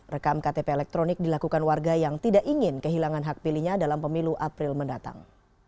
rekam ktp elektronik dilakukan warga yang tidak ingin kehilangan hak pilihnya dalam pemilu april mendatang